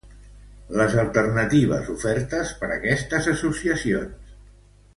Les alternatives ofertes per estes associacions